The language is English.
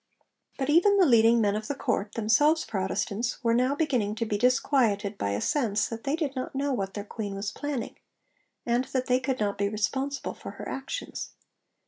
But even the leading men of the Court, themselves Protestants, were now beginning to be disquieted by a sense that they did not know what their queen was planning, and that they could not be responsible for her actions.